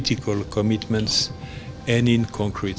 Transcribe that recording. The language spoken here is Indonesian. menjadi komitmen politik dan solusi yang konkret